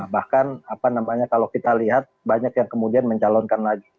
bahkan kalau kita lihat banyak yang kemudian mencalonkan lagi